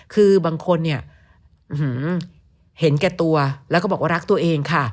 คือบางคนเนี่ยเห็นแก่ตัวแล้วก็บอกว่ารักตัวเองค่ะ